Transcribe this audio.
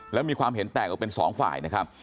แล้วมีความเห็นแตกออกเป็นสองฝ่ายนะครับ